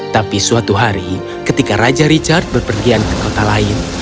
tapi suatu hari ketika raja richard berpergian ke kota lain